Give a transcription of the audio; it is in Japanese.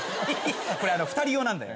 これあの２人用なんだよ。